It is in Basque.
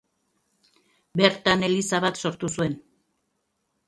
Bertan eliza bat sortu zuen.